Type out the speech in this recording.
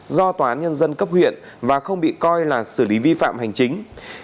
do tòa án nhân dân cấp huyện và không bị coi là xử lý vi phạm hành chính